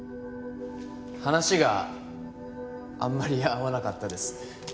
話があんまり合わなかったです。